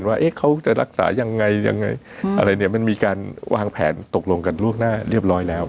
ว่าเขาจะรักษายังไงยังไงอะไรเนี่ยมันมีการวางแผนตกลงกันล่วงหน้าเรียบร้อยแล้ว